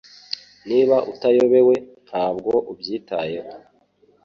Niba utayobewe, ntabwo ubyitayeho.